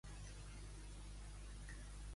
Un músic és un mag.